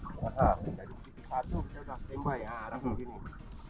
apa apa dari panasnya kan